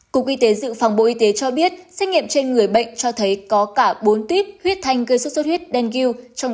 cục y tế dự phòng bộ y tế cho biết xét nghiệm trên người bệnh cho thấy có cả bốn tuyết huyết thanh gây xuất xuất huyết đen ghiu